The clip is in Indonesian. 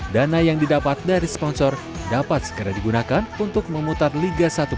dana yang didapat dari sponsor dapat segera digunakan untuk memutar liga satu